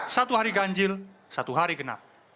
satu hari ganjil satu hari genap